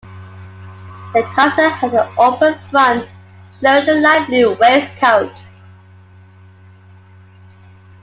The kaftan had an open front, showing a light blue waistcoat.